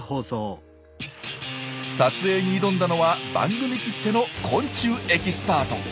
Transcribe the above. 撮影に挑んだのは番組きっての昆虫エキスパート。